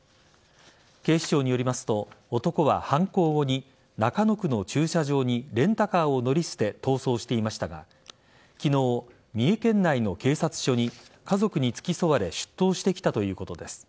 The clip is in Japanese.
警視庁によりますと男は犯行後に中野区の駐車場にレンタカーを乗り捨て逃走していましたが昨日、三重県内の警察署に家族に付き添われ出頭してきたということです。